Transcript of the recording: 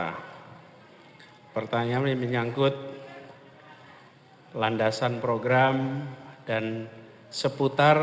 hai pertanyaan menyangkut hai landasan program dan seputar